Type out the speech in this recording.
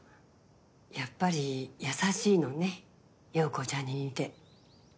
やっぱり優しいのね洋子ちゃんに似て。